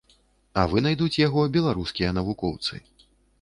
А вынайдуць яго беларускія навукоўцы.